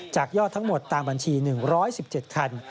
จากยอดทั้งหมดตามบัญชี๑๑๗คัน